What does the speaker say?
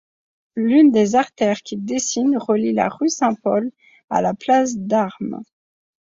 L'une des artères qu'il dessine relie la rue Saint-Paul à la place d'Armes.